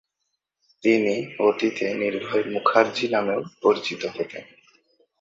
তিনি অতীতে নির্ভয় মুখার্জী নামেও পরিচিত হতেন।